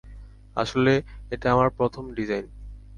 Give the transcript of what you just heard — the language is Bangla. আসলে এটা আমার প্রথম ডিজাইন।